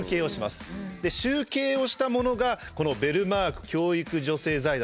集計をしたものがこの「ベルマーク教育助成財団」